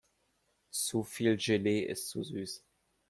Zu viel Gelee ist zu süß.